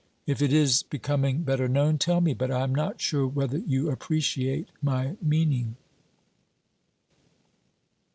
If it is be coming better known, tell me, but I am not sure whether you appreciate my meaning.